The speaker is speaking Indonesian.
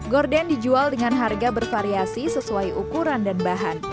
gorden dijual dengan harga bervariasi sesuai ukuran dan bahan